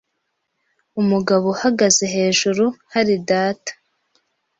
Umugabo uhagaze hejuru hari data.